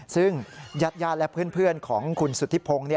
ซึ่งญาติและเพื่อนของคุณสุธิพงศ์